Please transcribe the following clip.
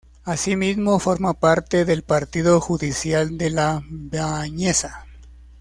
Asimismo forma parte del partido judicial de La Bañeza.